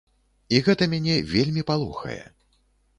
І гэта мяне вельмі палохае.